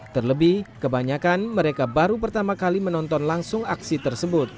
terlebih kebanyakan mereka baru pertama kali menonton langsung aksi tersebut